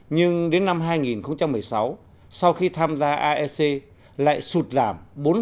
nhưng đến năm hai nghìn một mươi sáu sau khi tham gia aec lại sụt giảm bốn tám